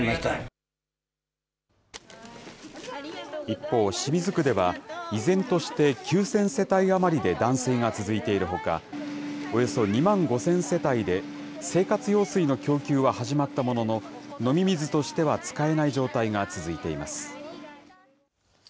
一方、清水区では依然として９０００世帯余りで断水が続いているほか、およそ２万５０００世帯で生活用水の供給は始まったものの、飲み水としては使えない状態が続いています。